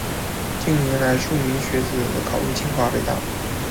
近年来，数十名学子考入清华、北大